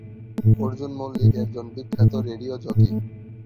অর্জুন মল্লিক একজন বিখ্যাত radio jockey.